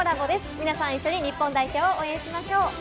皆さん、一緒に日本代表を応援しましょう。